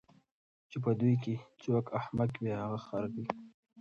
چی په دوی کی څوک احمق وي هغه خر دی